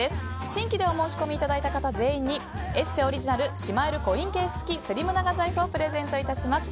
新規でお申し込みいただいた方全員に「ＥＳＳＥ」オリジナルしまえるコインケース付きスリム長財布をプレゼントいたします。